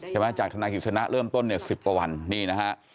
ใช่ไหมจากธนายกิจสนะเริ่มต้นเนี่ย๑๐กว่าวันนี่นะฮะ